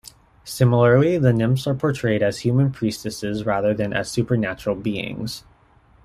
Similarly, the Nymphs are portrayed as human priestesses rather than as supernatural beings.